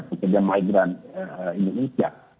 ketiga migrant indonesia